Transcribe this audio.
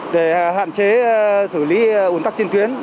để hạn chế xử lý ùn tắc trên tuyến